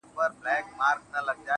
ستا په لاس کي د گلونو فلسفې ته